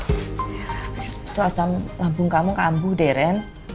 itu asam lambung kamu kambu deh ren